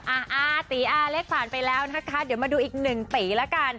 อาตีอาเล็กผ่านไปแล้วนะคะเดี๋ยวมาดูอีกหนึ่งตีละกัน